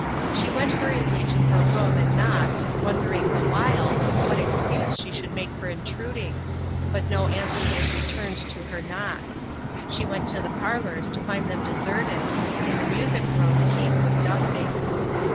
She went hurriedly to her room and knocked, wondering the while, what excuse she should make for intruding ; but no answer was returned to her knock. She went to the parlors to find them deserted ; in the music room Kate was dusting.